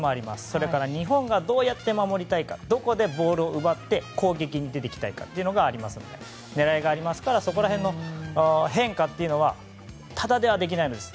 それから日本がどうやって守りたいかどこでボールを奪って攻撃に出ていきたいかという狙いがありますからそこら辺の変化というのはただではできないんです。